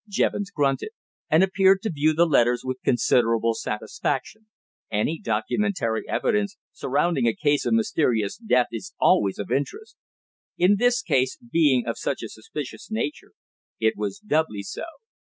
Jevons grunted, and appeared to view the letters with considerable satisfaction. Any documentary evidence surrounding a case of mysterious death is always of interest. In this case, being of such a suspicious nature, it was doubly so.